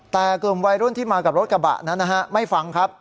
แต่กลุ่มวัยรุ่นที่มากับรถกระบะนั้นนะฮะไม่ฟังครับ